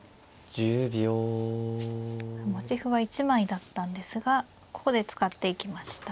持ち歩は１枚だったんですがここで使っていきました。